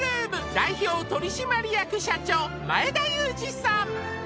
代表取締役社長前田裕二さん